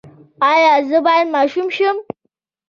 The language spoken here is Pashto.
ایا زه باید ماشوم شم؟